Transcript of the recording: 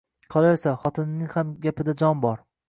Qolaversa, xotinining ham gapida jon bor